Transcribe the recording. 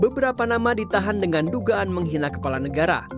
beberapa nama ditahan dengan dugaan menghina kepala negara